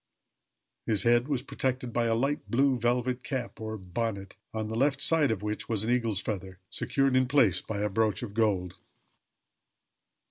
His head was protected by a light blue velvet cap, or bonnet, on the left side of which was an eagle's feather, secured in place by a brooch of gold.